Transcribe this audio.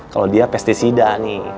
kalau dia pesticida nih